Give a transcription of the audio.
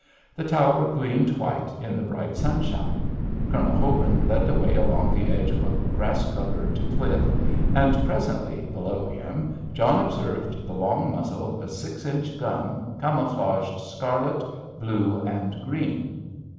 The tower gleamed white in the bright sunshine. Colonel Hobin led the way along the edge of a grass covered cliff, and presently, below him, John observed the long muzzle of a six inch gun camouflaged scarlet, blue and green.